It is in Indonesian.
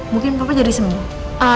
mungkin papa jadi sembuh